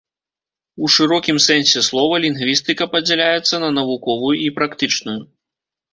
У шырокім сэнсе слова, лінгвістыка падзяляецца на навуковую і практычную.